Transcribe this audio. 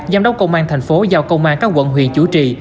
giám đốc công an tp hcm giao công an các quận huyền chủ trì